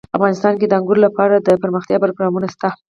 افغانستان کې د انګور لپاره دپرمختیا پروګرامونه شته.